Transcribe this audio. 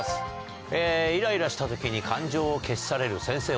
イライラした時に感情を消し去れる先生